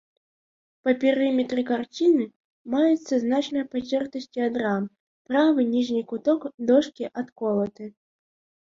Па перыметры карціны маюцца значныя пацёртасці ад рам, правы ніжні куток дошкі адколаты.